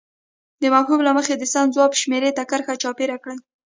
د مفهوم له مخې د سم ځواب شمیرې ته کرښه چاپېر کړئ.